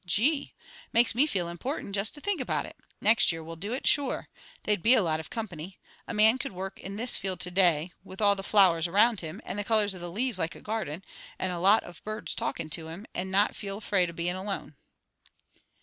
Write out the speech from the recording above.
Gee! Makes me feel important just to think about it. Next year we'll do it, sure. They'd be a lot of company. A man could work in this field to day, with all the flowers around him, and the colors of the leaves like a garden, and a lot of birds talkin' to him, and not feel afraid of being alone."